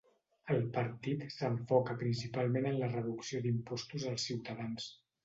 El partit s'enfoca principalment en la reducció d'impostos als ciutadans.